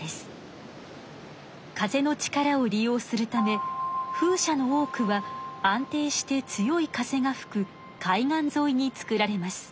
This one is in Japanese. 風の力を利用するため風車の多くは安定して強い風がふく海岸ぞいに作られます。